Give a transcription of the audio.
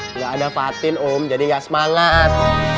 gak ada fatin om jadi gak semalat